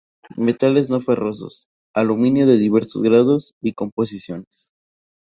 Metales no ferrosos: Aluminio de diversos grados y composiciones.